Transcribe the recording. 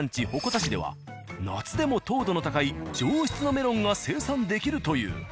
鉾田市では夏でも糖度の高い上質のメロンが生産できるという。